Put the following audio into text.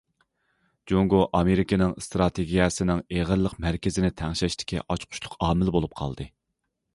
جۇڭگو ئامېرىكىنىڭ ئىستراتېگىيەسىنىڭ ئېغىرلىق مەركىزىنى تەڭشەشتىكى ئاچقۇچلۇق ئامىل بولۇپ قالدى.